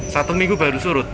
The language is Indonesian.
satu minggu baru surut